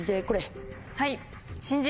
はい！